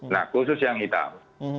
nah khusus yang hitam